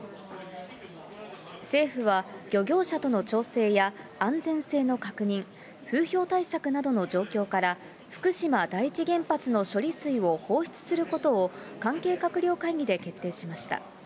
政府は漁業者との調整や安全性の確認、風評対策などの状況から、福島第一原発の処理水を放出することを、関係閣僚会議で決定しました。